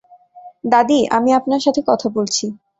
দাদী, আমি আপনার সাথে কথা বলছি!